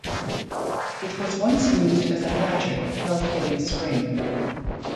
It was once used as a "magic" health-giving spring.